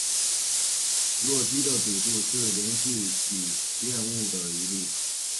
洛基的赌注是连续体谬误的一例。